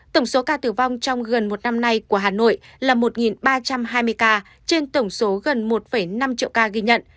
tổng số ca tử vong trong gần một năm nay của hà nội là một ba trăm hai mươi ca trên tổng số gần một năm triệu ca ghi nhận